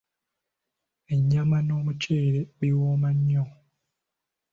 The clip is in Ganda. Ennyama n'omuceere biwooma nnyo.